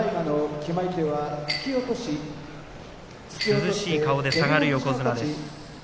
涼しい顔で下がる横綱です。